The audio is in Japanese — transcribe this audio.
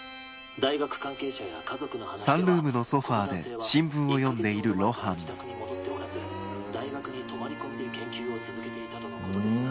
大学関係者や家族の話ではこの男性は１か月ほど前から自宅に戻っておらず大学に泊まり込みで研究を続けていたとのことですが」。